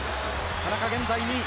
田中現在２位。